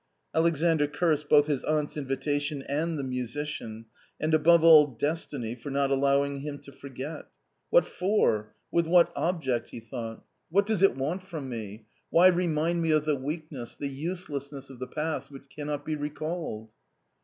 "' Alexandrcursed both his aunt's invitation and the musician, and above all destiny for not allowing him to forget " What for ? with what object ?" he thought ;" what does A COMMON STORY 225 it want from me ? why remind me of the weakness, the use lessness of the past, which cannot be recalled